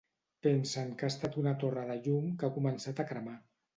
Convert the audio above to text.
Pensen que ha estat una torre de llum que ha començat a cremar.